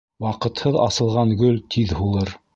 Ваҡытһыҙ асылған гөл тиҙ һулыр.